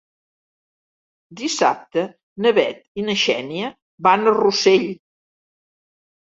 Dissabte na Bet i na Xènia van a Rossell.